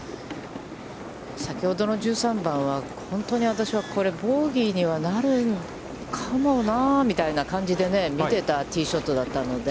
先ほどの１３番は本当にボギーにはなるかもなあ、みたいな感じで見てたティーショットだったので。